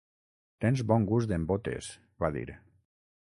"Tens bon gust en botes", va dir.